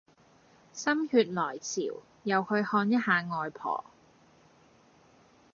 心血來潮又去看一下外婆